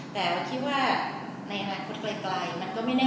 แต่คิดว่าในอนาคตไกลมันก็ไม่แน่